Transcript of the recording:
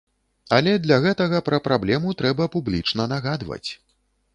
Але для гэтага пра праблему трэба публічна нагадваць.